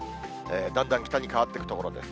だんだん北に変わっていくところです。